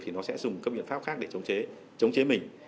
thì nó sẽ dùng các biện pháp khác để chống chế mình